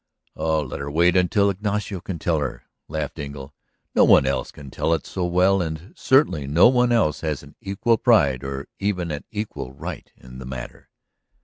"Let her wait until Ignacio can tell her," laughed Engle. "No one else can tell it so well, and certainly no one else has an equal pride or even an equal right in the matter."